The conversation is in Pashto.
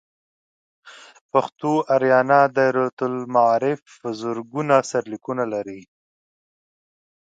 پښتو آریانا دایرة المعارف په زرګونه سرلیکونه لري.